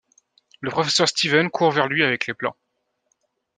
Le professeur Stevens court vers lui, avec les plans.